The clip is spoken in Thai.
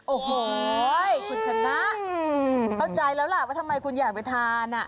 โอ้โหคุณชนะเข้าใจแล้วล่ะว่าทำไมคุณอยากไปทาน